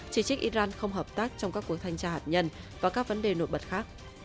chỉ trích iran không hợp tác trong các cuộc thanh tra hạt nhân và các vấn đề nổi bật khác